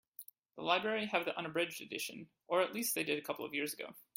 The library have the unabridged edition, or at least they did a couple of years ago.